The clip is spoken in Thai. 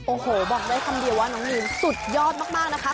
โอ้โหบอกได้คำเดียวว่าน้องมีนสุดยอดมากนะคะ